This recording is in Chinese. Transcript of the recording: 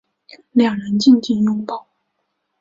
两人静静拥抱